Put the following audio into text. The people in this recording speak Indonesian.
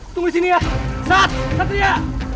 tunggu di sini ya sah satria